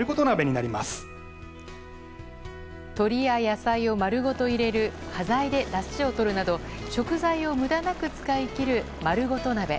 鶏や野菜を丸ごと入れる端材でだしをとる、など食材を無駄なく使い切るまるごと鍋。